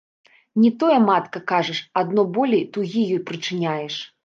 Не тое, матка, кажаш, адно болей тугі ёй прычыняеш.